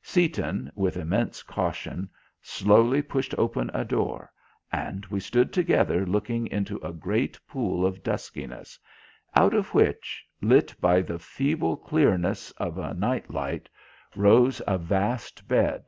Seaton, with immense caution, slowly pushed open a door and we stood together looking into a great pool of duskiness, out of which, lit by the feeble clearness of a night light, rose a vast bed.